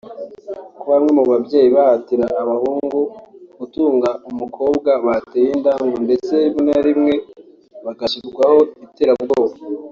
Kuba bamwe mu babyeyi bahatira abahungu gutunga umukobwa bateye inda ngo ndetse rimwe na rimwe bagashyirwaho iterabwoba